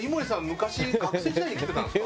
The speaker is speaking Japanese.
昔学生時代に来てたんですか？